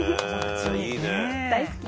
大好き。